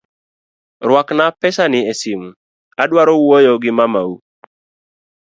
Ruakna pesani esimu adwaro wuoyo gi mamau.